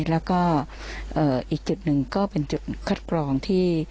แล้วก็อีกจุดหนึ่งก็เป็นจุดคัดกรองที่